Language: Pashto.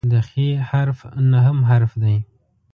د "خ" حرف نهم حرف دی.